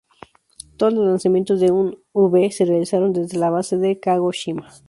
Todos los lanzamientos de un M-V se realizaron desde la base de Kagoshima.